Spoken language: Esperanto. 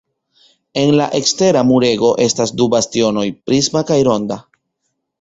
En ekstera murego estas du bastionoj, prisma kaj ronda.